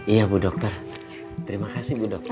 iya bu dokter terima kasih bu dokter